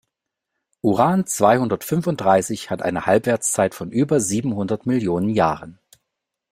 Uran-zweihundertfünfunddreißig hat eine Halbwertszeit von über siebenhundert Millionen Jahren.